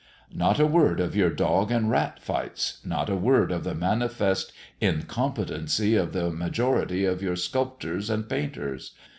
Not a word of your dog and rat fights. Not a word of the manifest incompetency of the majority of your sculptors and painters.